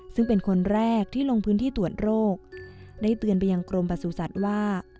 ซึ่งเป็นคนแรกที่ลงพื้นที่ตรวจโรคได้เตือนไปยังกรมประสุทธิ์ว่า